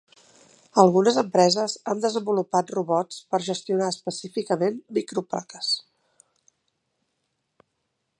Algunes empreses han desenvolupat robots per gestionar específicament microplaques.